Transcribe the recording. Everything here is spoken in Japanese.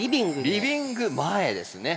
リビング前ですね。